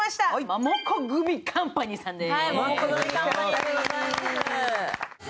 モモコグミカンパニーさんです！